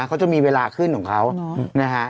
เขาจะมีเวลาขึ้นของเขานะฮะ